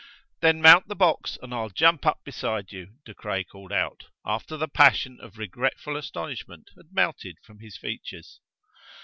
"Then mount the box and I'll jump up beside you," De Craye called out, after the passion of regretful astonishment had melted from his features.